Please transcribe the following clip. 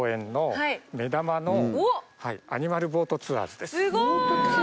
アニマルボートツアーズです。